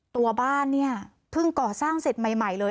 ตัวบ้านเนี่ยเพิ่งก่อสร้างเสร็จใหม่เลย